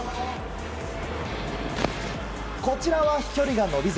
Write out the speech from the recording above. こちらは飛距離が伸びず。